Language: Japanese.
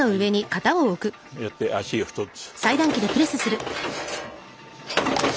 やって足を１つ。